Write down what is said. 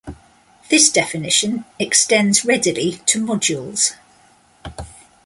This definition extends readily to modules.